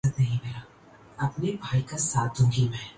دنیا میں کبھی ایسا ہو اہے؟